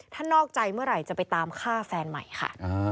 ถ้านอกใจเมื่อไหร่จะไปตามฆ่าแฟนใหม่ค่ะ